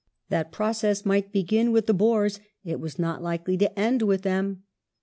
That process might begin with the Boei*s ; it was not likely to end with them.